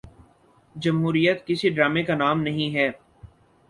جمہوریت کسی ڈرامے کا نام نہیں ہے۔